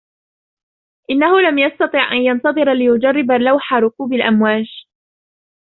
إنهُ لم يستطع أن ينتظر ليجرب لوح ركوب الأمواج.